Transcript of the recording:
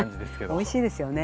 おいしいですよね。